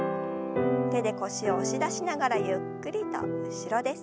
手で腰を押し出しながらゆっくりと後ろです。